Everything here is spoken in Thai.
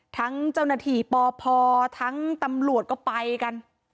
เจ้าหน้าที่ปพทั้งตำรวจก็ไปกัน